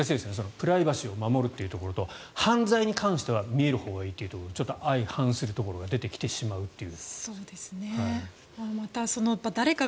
プライバシーを守るというところと犯罪に関しては見えるほうがいいというところちょっと相反するところが出てきてしまうという。